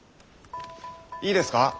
いいですか？